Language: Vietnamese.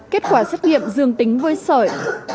kết quả xét nghiệm dường tính với sởi